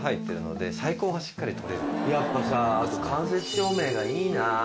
やっぱさ間接照明がいいな。